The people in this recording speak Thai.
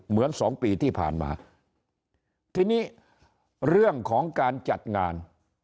เหมือนสองปีที่ผ่านมาทีนี้เรื่องของการจัดงาน